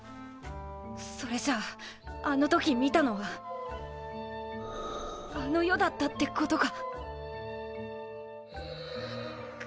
それじゃああの時見たのはあの世だったってことか！？